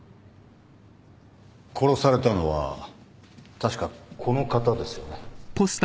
殺されたのは確かこの方ですよね？